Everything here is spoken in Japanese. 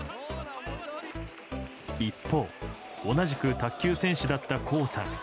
一方、同じく卓球選手だった江さん。